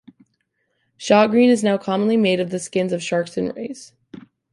Shagreen is now commonly made of the skins of sharks and rays.